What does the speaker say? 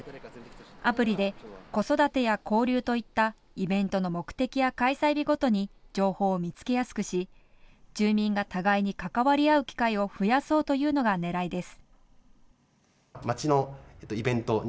アプリで子育てや交流といったイベントの目的や開催日ごとに情報を見つけやすくし住民が互いに関わり合う機会を増やそうというのがねらいです。